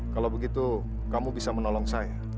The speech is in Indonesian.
kalau begitu kamu bisa menolong saya